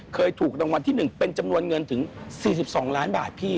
เคยถูกรางวัลที่๑เป็นจำนวนเงินถึง๔๒ล้านบาทพี่